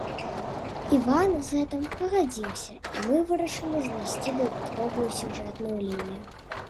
Іван з гэтым пагадзіўся і мы вырашылі знайсці дадатковую сюжэтную лінію.